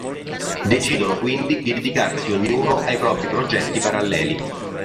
Decidono quindi di dedicarsi ognuno ai propri progetti paralleli.